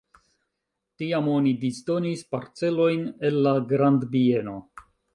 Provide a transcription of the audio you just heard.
Tiam oni disdonis parcelojn el la grandbieno.